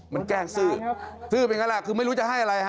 มันแกล้งซื้อซื้อเป็นงั้นแหละคือไม่รู้จะให้อะไรฮะ